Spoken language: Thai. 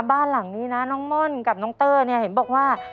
บ้านหลังนี้น้องม่อนกับน้องเต้อเห็นบอกว่า